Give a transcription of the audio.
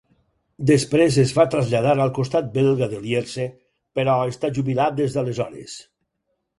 Després es va traslladar al costat belga de Lierse, però està jubilat des d'aleshores.